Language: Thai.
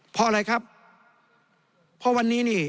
เพราะอะไรครับเพราะวันนี้นี่